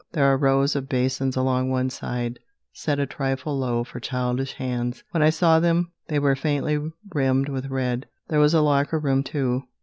There are rows of basins along one side, set a trifle low for childish hands. When I saw them they were faintly rimmed with red. There was a locker room too.